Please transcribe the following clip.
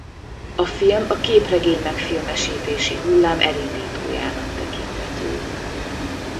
A film a képregény-megfilmesítési hullám elindítójának tekinthető.